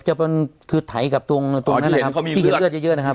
จะเป็นคือไถกับตรงนั้นเลยครับที่เห็นเลือดเยอะเยอะนะครับ